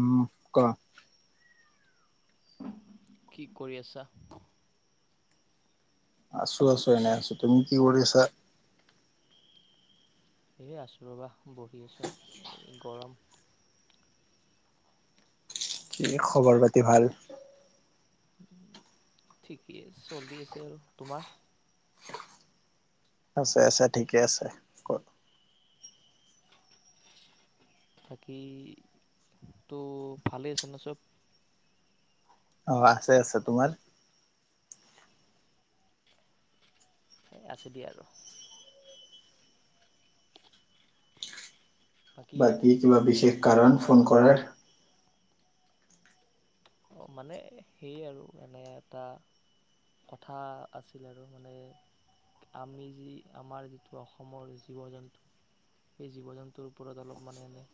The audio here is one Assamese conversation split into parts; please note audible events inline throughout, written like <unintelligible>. উম, কোৱা। কি কৰি আছা? আছো, আছো, এনেই আছো তুমি কি কৰিছা? সেয়ে আছো ৰবা বহি আছো, গৰম। কি খবৰ পাতি ভাল? ঠিকেই চলি আছে আৰু তোমাৰ? আছে, আছে, ঠিকে আছে। ক বাকী, তো ভালে আছে ন চব? অ' আছে, আছে, তোমাৰ? আছে দিয়া আৰু। বাকী কিবা বিশেষ কথা কাৰণ এটা ফোন কৰাৰ? অ' মানে সেয়ে আৰু এনে এটা, কথা আছিল আৰু মানে আমি যি আমাৰ যিটো অসমৰ জীৱ- জন্তু সেই জীৱ- জন্তুৰ ওপৰত অলপ মানে এনে।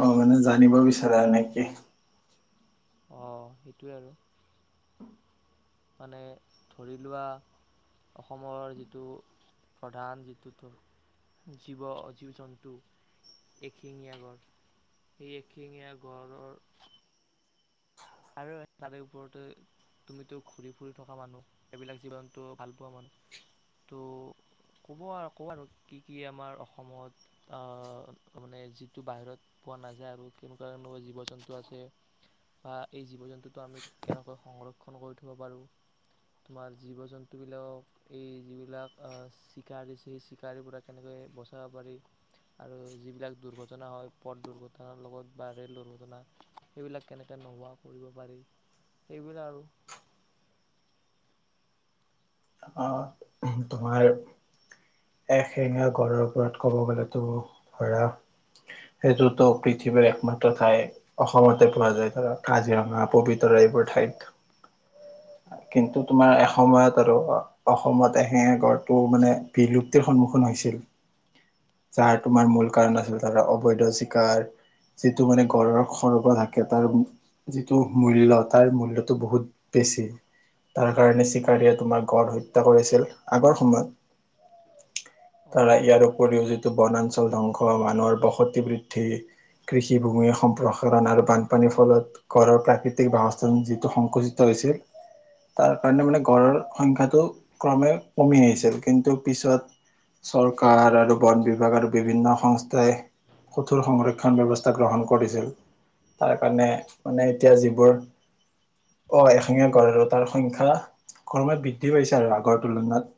অ' মানে জানিব বিচা ৰা, নেকি? অ' সেইটোৱে আৰু, মানে ধৰি লোৱা অসমৰ যিটো প্ৰধান যিটো তো জীৱ, জীৱজন্তু এশিঙীয়া গড় সেই এশিঙীয়া গড়ৰ তাৰে ওপৰতে তুমি তো ঘূৰি ফূৰি থকা মানুহ এই বিলাক জীৱজন্তু ভাল পোৱা মানুহ তো, ক'ব, আৰু ক আৰু কি কি আমাৰ অসমত আ, মানে যিটো বাহিৰত পোৱা নাযায় আৰু কেনেকুৱাুৱা জীৱ জন্তু আছে বা <inaudible> এই জীৱ জন্তুটো আমি কেনেকৈ সংৰক্ষণ কৰি থ'ব পাৰোঁ, তোমাৰ জীৱ জন্তুবিলাকক এই যিবিলাক অ, চিকাৰ হৈছে সেই চিকাৰী পৰা কেনেকৈ বচাব পাৰি আৰু যিবিলাক দুৰ্ঘটনা হয় পথ দুৰ্ঘটনাৰ লগত বা ৰে'ল দুৰ্ঘটনা সেইবিলাক কেনেকে নোহোৱা কৰিব পাৰি সেইবিলাক আৰু। অ তোমাৰ এশেঙা গড়ৰ ওপৰত ক'ব গ'লেতো ধৰা সেইটোতো পৃথিৱীৰ একমাত্ৰ ঠাই অসমতে পোৱা যায় ধৰা কাজিৰঙা পবিতৰা এইবোৰ ঠাইত। কিন্তু তোমাৰ এসময়ত আৰু অ-অসমত এশেঙা গড়টো মানে বিলুপ প্তিৰ সন্মুখীন হৈছিল। যাৰ তোমাৰ মূল কাৰণ আছিল তাৰ অবৈধ চিকাৰ, যিটো মানে গড়ৰ খৰ্গ থাকে তাৰ যিটো মূল্য, তাৰ মূল্যটো বহুত বেছি। তাৰ কাৰণে চিকাৰীয়ে তোমাৰ গড় হত্যা কৰিছিল, আগৰ সময়ত। অঁ ধৰা হয় ইয়াৰ হয় উপৰিও যিটো বনান অঞ্চল ধ্বংস মানুহৰ বসতি বৃদ্ধি, কৃষিভূমি সম্প্ৰসাৰণ আৰু বানপানীৰ ফলত গড়ৰ প্ৰাকৃতিক বাসস্থান যিটো সংকুচিত হৈছিল তাৰ কাৰণে মানে গড়ৰ সংখ্যাটো ক্ৰমে কমি আহিছিল, কিন্তু পিছত চৰকাৰ আৰু বন বিভ নাজানোঁ বিভিন্ন সংস্থাই কঠোৰ সংৰক্ষণ ব্যৱস্থা গ্ৰহণ কৰিছিল। তাৰ কাৰণে মানে এতিয়া যিবোৰ অহ, এশিঙীয়া গঁড় গঁড়তাৰ সংখ্যা কৰবাত বৃদ্ধি হৈছে আৰু আগৰ তুলনাত।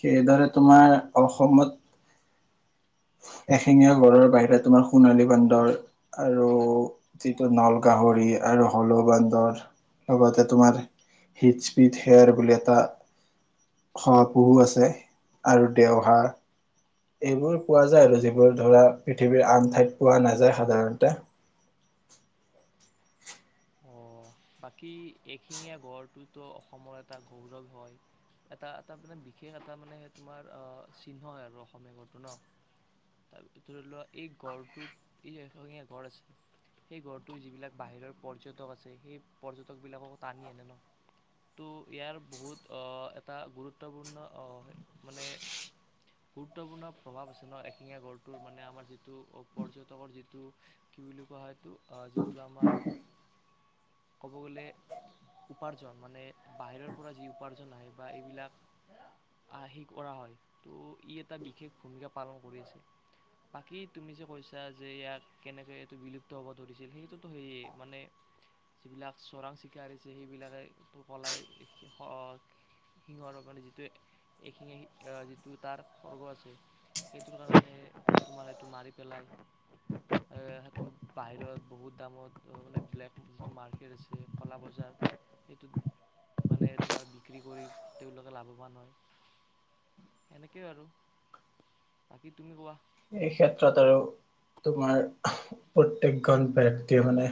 সেইদৰে তোমাৰ অসমত, এশিঙীয়া গঁড়ৰ বাহিৰে তোমাৰ সোণালী বান্দৰ, আৰু যিটো নল গাহৰি আৰু হলৌ বান্দৰ, লগতে তোমাৰ হিস্পিড হেয়াৰ বুলি এটা শহাপহু আছে। আৰু দেওহাঁহ, এইবোৰ পোৱা যায় আৰু যিবোৰ ধৰা, পৃথিৱীৰ আন ঠাইত পোৱা নাযায় সাধাৰণতে। অহ, বাকী এশিঙীয়া গঁড়টোতো অসমৰ এটা গৌৰৱ হয়। এটা, এটা মানে বিশেষ এটা মানে সেই, তোমাৰ, অহ চিহ্ন হয় আৰু অসমীয়া গঁড়টো ন? তাৰ ধৰি লোৱা, এই গঁড়টোত এই এিঙীয়া গঁড় আছে, সেই গঁড়টো যিবিলাক বাহিৰৰ পৰ্যটক আছে, সেই পৰ্যটকবিলাকক টানি আনে, ন'? ত' ইয়াৰ বহুত অহ, এটা গুৰুত্বপূৰ্ণ অহ, মানে গুৰুত্বপূৰ্ণ ভৱা বস্তু ন' এশিঙীয়া গড়টোৰ মানে আমাৰ যিটো পৰ্যটকৰ যিটো, কি বুলি কোৱা হয় সেইটো যি টো আমাৰ ক'ব গ'লে উপাৰ্জন, মানে বাহিৰৰ পৰা যি উপাৰ্জন আহে বা এইবিলাক আ সি কৰা হয়, ত' ই এটা বিশেষ ভূমিকা পালন কৰি আছিল। বাকী তুমি যে কৈছা যে ইয়াক কেনেকে এইটো বিলুপ্ত হ'ব ধৰিছিল, সেইটোতো সেইয়ে মানে, যিবিলাক চোৰাং চিকাৰ হৈছে সেইবিলাকে পলাই শি-শ-শি-শি শিঙৰ কাৰণে যিটো এইখিনি আহি ও যিটো তাৰ সৰ্গ আছে, সেইটোৰ কাৰণে হে তোমাৰ সেইটো মাৰি পেলাই। অ' সেইটো বাহিৰত বহুত দামত তৰ মানে ব্লেক যিটো মাৰ্কেট আছে ক'লা বজাৰ, সেইটোত মানে তোমাৰ বিক্ৰী কৰি তেওঁলোকে লাভৱান হয়। এনেকে আৰু, বাকী তুমি কোৱা। এই ক্ষেত্ৰত আৰু তোমাৰ প্ৰত্যেকগন ব্যক্তিয়ে মানে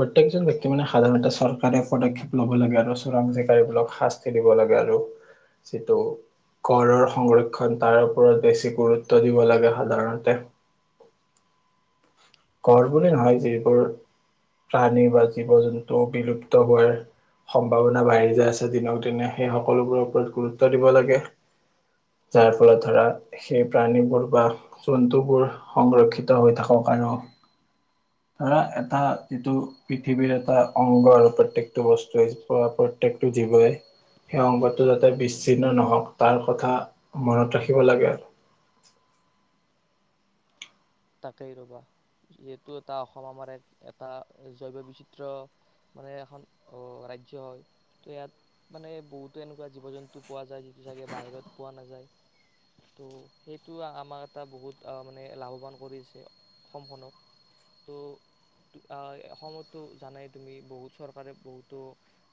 প্ৰত্যেকজন ব্যক্তিৰ মানে সাধাৰণতে চৰকাৰে পদক্ষেপ ল'ব লাগে আৰু চোৰাং জিকাৰিবোৰক শাস্তি দিব লাগে আৰু যিটো গঁড়ৰ সংৰক্ষণ, তাৰ ওপৰত বেছি গুৰুত্ব দিব লাগে। সাধাৰণতে। গঁড়ৰ বুলি নহয়, যিবোৰ প্ৰাণী বা জীৱ জন্তু বিলুপ্ত হোৱাৰ সম্ভাৱনা বাঢ়ি যায় আছে দিনক দিনে, সেই সকলোবোৰৰ ওপৰত গুৰুত্ব দিব লাগে। যাৰ ফলত ধৰা সেই প্ৰাণীবোৰ বা জন্তুবোৰ সংৰক্ষিত হৈ থাকক আৰু ধৰা এটা যিটো পৃথিৱীৰ এটা অংগ, আৰু প্ৰত্যেকটো বস্তুৱে বা প্ৰত্যেকটো জীৱই সেই অংগটো যাতে বিচ্ছিন্ন নহওক, তাৰ কথা মনত ৰাখিব লাগে আৰু। তাকেই ৰবা, যিহেতু এটা অসম আমাৰ এক এটা জৈৱ বৈচিত্ৰ্য মানে এখন অ, ৰাজ্য হয়, ত' ইয়াত মানে বহুতো এনেকুৱা জীৱ জন্তু পোৱা যায়, যিটো চাগে বাহিৰত পোৱা নাযায়, ত' সেইটো আমাক এটা বহুত মানে লাভৱান কৰিছে অসমখনক, ত' ত আ অসমতো জানাই তুমি, বহুত চৰকাৰে বহুতো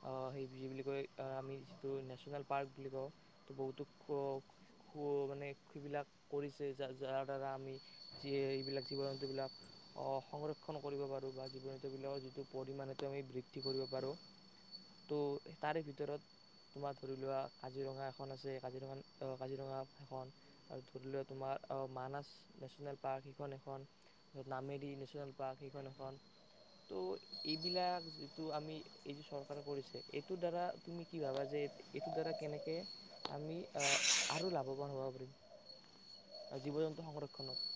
আ, সেই-সেইবুলি কয়, আমি যিটো নেশচনেল পাৰ্ক বুলি কওঁ, ত বহুতো খ-খ মানে সিবিলাক কৰিছে, যা-যাৰ দ্বাৰা আমি যিয়ে এইবিলাক জীৱ জন্তুবিলাক অহ, সংৰক্ষণ কৰিব পাৰোঁ বা জীৱ জন্তুবিলাকৰ যিটো পৰিমাণ, এইটো আমি বৃদ্ধি কৰিব পাৰোঁ, ত' তাৰে ভিতৰত তোমাৰ ধৰি লোৱা কাজিৰঙা এখন আছে কাজিৰঙা, অ, কাজিৰঙা এখন আৰু ধৰি লোৱা তোমাৰ অ', মানস নেচনেল পাৰ্ক, সিখন এখন নামেৰি নেচনেল পাৰ্ক, সিখন এখন। ত' এইবিলাক যিটো আমি এই যে চৰকাৰে কৰিছে, এইটোৰ দ্বাৰা তুমি কি ভাবা যে এইটোৰ দ্বাৰা কেনেকে আমি অ, আৰু লাভৱান হ'ব পাৰিম জীৱ জন্তু সংৰক্ষণত?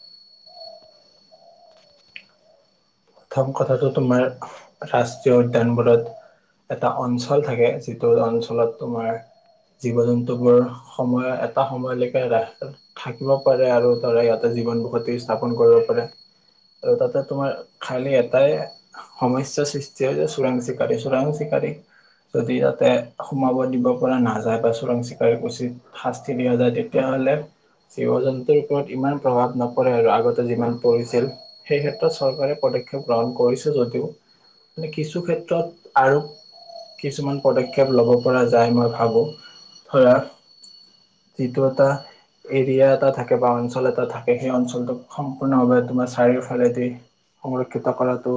প্ৰথম কথাটো, তোমাৰ ৰাষ্ট্ৰীয় উদ্যানবোৰত এটা অঞ্চল থাকে, যিটো অঞ্চলত তোমাৰ জীৱ-জন্তুবোৰ সময় এ এটা সময়লৈকে ৰাস্তাত <inaudible> দিব পাৰে আৰু ধৰা ইয়াতে জীৱন বসতি স্থাপন কৰিব পাৰে আৰু তাতে তোমাৰ খালি এটাই সমস্যা সৃষ্টি হয় যে চোৰাং চিকাৰী, চোৰাং চিকাৰীক যদি ইয়াতে সোমাব দিব পৰা নাযায় বা চোৰাং চিকাৰীক উচিত শাস্তি দিয়া যায়, তেতিয়াহ'লে জীৱ-জন্তুৰ ওপৰত ইমান প্ৰভাৱ নপৰে আৰু আগতে যিমান পৰিছিল, সেই ক্ষেত্ৰত চৰকাৰে পদক্ষেপ গ্ৰহণ কৰিছোঁ যদিও, মানে কিছু ক্ষেত্ৰত আৰু কিছুমান পদক্ষেপ ল'ব পৰা যায় মই ভাবো। ধৰা, যিটো এটা এৰিয়া এটা থাকে বা অঞ্চল এটা থাকে, সেই অঞ্চলটোক সম্পূৰ্ণভাৱে তোমাৰ চাৰিওফালেদি সংৰক্ষিত কৰাটো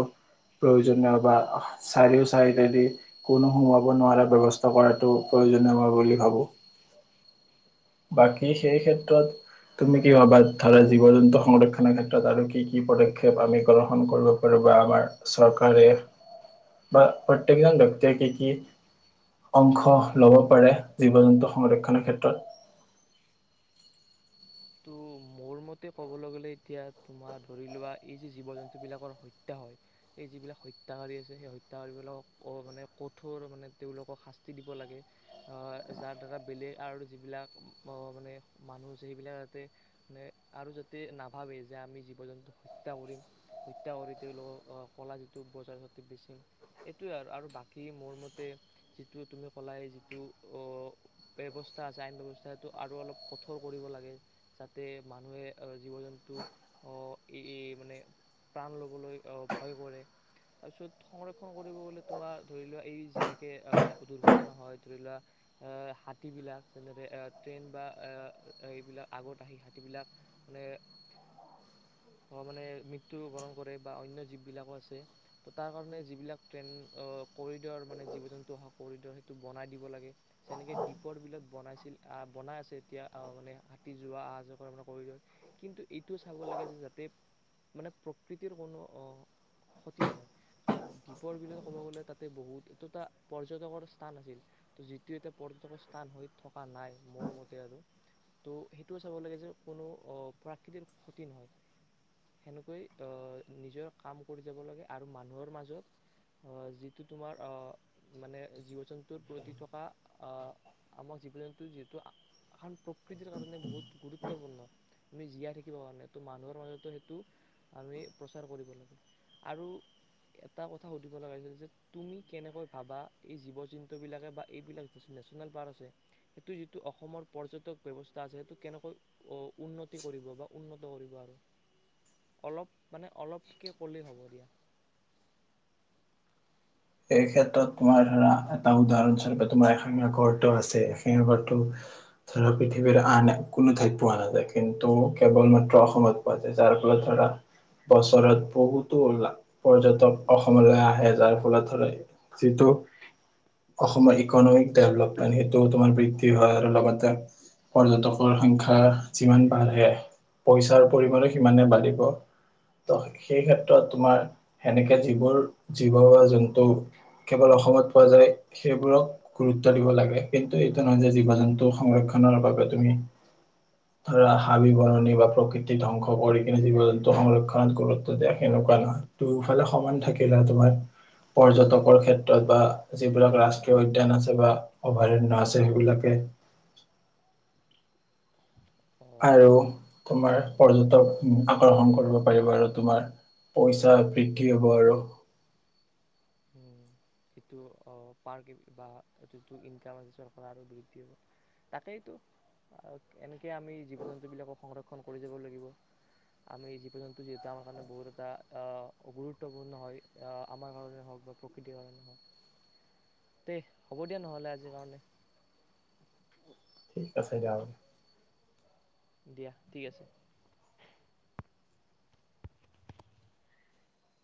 প্ৰয়োজনীয় বা অহ চাৰিও চাইদেদি কোনো সোমাব নোৱাৰা ব্যৱস্থা কৰাটো প্ৰয়োজনীয় বুলি ভাবো। বাকী সেই ক্ষেত্ৰত তুমি কি ভাবা? ধৰা জীৱ-জন্তু সংৰক্ষণৰ ক্ষেত্ৰত আৰু কি কি পদক্ষেপ আমি প্ৰদৰ্শন কৰিব পাৰোঁ বা আমাৰ চৰকাৰে বা, প্ৰত্যেকজন ব্যক্তিয়ে কি কি অংশ ল'ব পাৰে জীৱ-জন্তু সংৰক্ষণৰ ক্ষেত্ৰত। তু মোৰ মতে ক'বলৈ গ'লে, এতিয়া তোমাৰ ধৰি লোৱা এই যে জীৱ-জন্তুবিলাকৰ হত্যা হয়, এই যিবিলাক হত্যাকাৰী আছে, সেই হত্যাকাৰীবিলাকক ক মানে কঠোৰ মানে তেওঁলোকক শাস্তি দিব লাগে। অ, যাৰ দ্বাৰা বেলেগ আৰু যিবিলাক ম মানে মানুহ যে সেইবিলাক তে নে আৰু যাতে নাভাৱে যে আমি জীৱ-জন্তুক হত্যা কৰিম, হত্যা কৰি তেওঁলোক অ কলা যিটো বজাৰ চতে বেচিম। এইটোৱে আৰু, আৰু বাকী মোৰ মতে যিটো তুমি কলাই যিটো অ, ব্যৱস্থা আছে, আইন ব্যৱস্থাটো আৰু অলপ কঠোৰ কৰিব লাগে। যাতে মানুহে জীৱ-জন্তুক, অহ এই মানে, প্ৰাণ ল'বলৈ অ ভয় কৰে। তাৰ পিছত, সংৰক্ষণ কৰিব গলে তোমাৰ ধৰি লোৱা, এই যেনেকে অ দুৰ্ঘটনা হয় ধৰি লোৱা, অহ হাতীবিলাক যেনেদৰে অ ট্ৰেইন বা অ এইবিলাক আগত আহি হাতীবিলাক মানে, অ মানে মৃত্যুবৰণ কৰে বা অন্য জীৱবিলাকো আছে। ত তাৰ কাৰণে যিবিলাক ট্ৰেন অ কৰিডৰ মানে জীৱ-জন্তু অহা কৰিডৰ, সেইটো বনাই দিব লাগে। যেনেকে দ্বীপৰ বিলাত বনাইছিল অ বনাই আছে এতিয়া, অ মানে তি যোৱা অহা-যোৱা কৰা মানে কৰিডৰ। কিন্তু এইটোও চাব লাগে যে যাতে মানে প্ৰকৃতিৰ কোনো অ ক্ষতি নহয়। ত' দ্বীপৰ বিলত ক'ব গ'লে, তাতে বহুত এইটো এটা পৰ্যটকৰ স্থান আছিল, ত' যিটো এটা পৰ্যটকৰ স্থান হৈ থকা নাই, মোৰ মতে আৰু ত' সেইটোও চাব লাগে যে কোনো অ, প্ৰাকৃতিৰ ক্ষতি নহয়। সেনেকৈ অ, নিজৰ কাম কৰি যাব লাগে আৰু মানুহৰ মাজত অ যিটো তোমাৰ অ মানে জীৱ-জন্তুৰ প্ৰতি থকা অহ আমক জীৱ-জন্তু যিহেতু প্ৰকৃতিৰ কাৰণে বহুত গুৰুত্বপূৰ্ণ। আমি জীয়াই থাকিবৰ কাৰণে, ত মানুহৰ মাজতো সেইটো আমি প্ৰচাৰ কৰিব লাগে। আৰু এটা কথা সুধিব লগা হৈছিল যে তুমি কেনেকৈ ভাবা, এই জীৱ-জন্তুবিলাকে বা এইবিলাক যে নেচনেল পাৰ্ক আছে, সেইটো যিটো অসমৰ পৰ্যটক ব্যৱচ তা আছে, সেইটো কেনেকৈ অ উন্নতি কৰিব বা উন্ন <unintelligible> অলপ মানে, অলপকে কৰিলেই হ'ব দিয়া। এই ক্ষেত্ৰত তোমাৰ ধৰা, এটা উদাহৰণস্বৰূপ, তোমাৰ এশিঙীয়া গঁড়টো আছে। এশিঙীয়া গঁড়টো ধৰা পৃথিৱীৰ আন কোনো ঠাইত পোৱা নাযায়, কিন্তু কেৱল মাত্ৰ অসমত পোৱা যায়। যাৰ ফলত ধৰা বছৰত বহুতো পৰ্যটক অসমলৈ আহে, যাৰ ফলত যিটো অসমৰ ইকনমিক ডেভলপমেণ্ট, সেইটো তোমাৰ বৃদ্ধি হয়। আৰু লগতে পৰ্যটকৰ সংখ্যা যিমান বাঢ়ে, পইচাৰ পৰিমানে সিমানে বাঢ়িব। ত সেই ক্ষেত্ৰত তোমাৰ সেনেকে যিবোৰ জীৱ-জন্তু ত কেৱল অসমত পোৱা যায়, সেইবোৰক গুৰুত্ব দিব লাগে। কিন্তু এইটো নহয় যে জীৱ-জন্তু সংৰক্ষণৰ বাবে তুমি, ধৰা হাবি-বৰণী বা প্ৰকৃতি ধ্বংস কৰি কিনে জীৱ-জন্তু সংৰক্ষণত গুৰুত্ব দিয়া, সেনেকুৱা নহয়। দুফালে সমান থাকিলে তোমাৰ পৰ্যটকৰ ক্ষেত্ৰত বা যিবিলাক ৰাষ্ট্ৰীয় উদ্যান আছে বা অভয়াৰণ্য আছে, সেইবিলাকে অ' আৰু তোমাৰ পৰ্যটক আকৰ্ষণ কৰিব পাৰিব আৰু তোমাৰ পইচা বৃদ্ধি হ'ব আৰু। উম, এইটো অ পাৰ কে বা এইটোতো ইনকাম আছে চৰকাৰৰ আৰু বৃদ্ধি হ'ব। তাকেইতো, অ এনেকে আমি জীৱ-জন্তু বিলাকক সংৰক্ষণ কৰি যাব লাগিব, আমি জীৱ-জন্তু যিহেতু আমাৰ কাৰণে বহুত এটা অ গুৰুত্বপূৰ্ণ হয়, অহ, আমাৰ কাৰণে হওঁক বা প্ৰকৃতিৰ কাৰণেই হওক। তে হ'ব দিয়া নহ'লে আজিৰ কাৰণে। ঠিক আছে যাওঁ। দিয়া, ঠিক আছে।